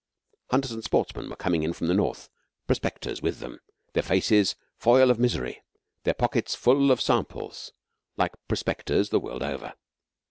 Hunters and sportsmen were coming in from the North; prospectors with them, their faces foil of mystery, their pockets full of samples, like prospectors the world over.